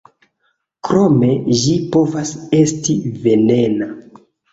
Krome ĝi povas esti venena.